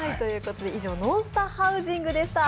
以上、「ノンスタハウジング」でした。